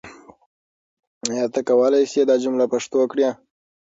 آیا ته کولای سې دا جمله پښتو کړې؟